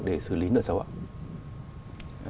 để xử lý nợ sầu ạ